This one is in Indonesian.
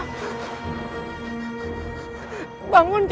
aku yang membunuhnya